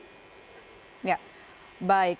baik terima kasih